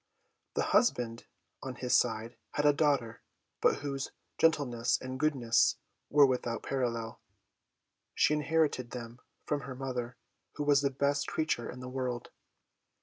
The husband, on his side, had a daughter, but whose gentleness and goodness were without parallel. She inherited them from her mother, who was the best creature in the world.